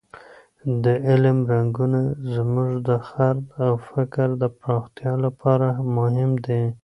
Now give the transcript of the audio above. د علم رنګونه زموږ د خرد او فکر د پراختیا لپاره مهم دي.